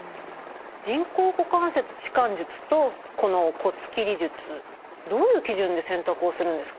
人工股関節置換術とこの骨切り術どういう基準で選択をするんですか？